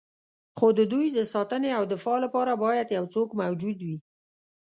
خو د دوی د ساتنې او دفاع لپاره باید یو څوک موجود وي.